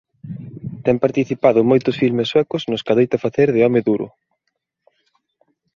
Ten participado en moitos filmes suecos nos que adoita facer de "home duro".